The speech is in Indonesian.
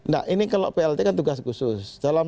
nah ini kalau plt kan tugas khusus